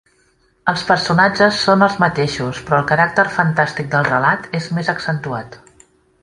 Els personatges són els mateixos, però el caràcter fantàstic del relat és més accentuat.